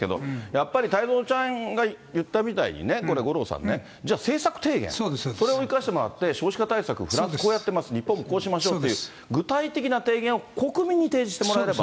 やっぱり太蔵ちゃんが言ったみたいにね、これ五郎さんね、じゃあ、政策提言、それを生かしてもらって少子化対策、フランスこうやってます、日本もこうしましょうっていう、具体的な提言を国民に提示してもらえれば。